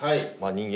人間